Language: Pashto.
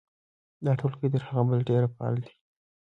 دا ټولګی تر هغه بل ډېر فعال دی.